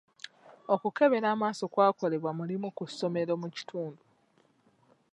Okukebera amaaso kwakolebwa mu limu ku ssomero mu kitundu.